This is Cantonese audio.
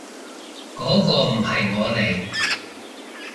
嗰個唔係我嚟